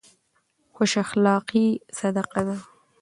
خوش اخلاقي صدقه ده.